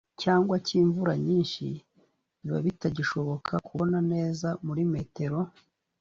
cyangwa cy imvura nyinshi biba bitagishoboka kubona neza muri metero